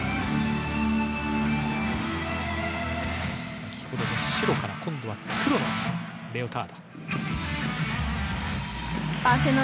先ほどの白から今度は黒のレオタード。